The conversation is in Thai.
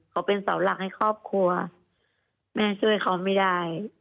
เขาเป็นเสาหลักให้ครอบครัวแม่ช่วยเขาไม่ได้